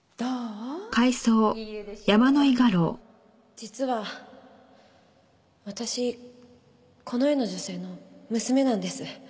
実は私この絵の女性の娘なんです。